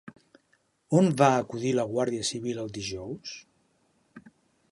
On va acudir la Guàrdia Civil el dijous?